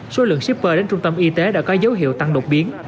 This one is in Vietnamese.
số lượng shipper đến trung tâm y tế đã có dấu hiệu tăng đột biến